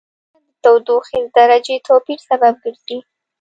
دا موقعیت د تودوخې د درجې توپیر سبب ګرځي.